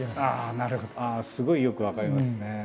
すごいよく分かりますね。